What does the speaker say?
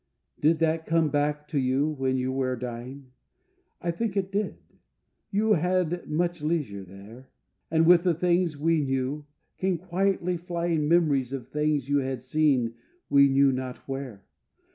Did that come back to you when you were dying? I think it did: you had much leisure there, And, with the things we knew, came quietly flying Memories of things you had seen we knew not where.